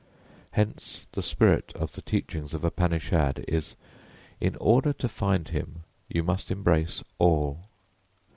Hence the spirit of the teachings of Upanishad is: In order to find him you must embrace all.